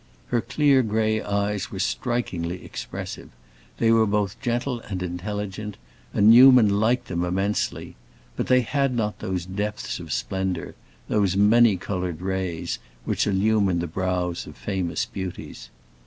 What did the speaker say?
Her clear gray eyes were strikingly expressive; they were both gentle and intelligent, and Newman liked them immensely; but they had not those depths of splendor—those many colored rays—which illumine the brows of famous beauties.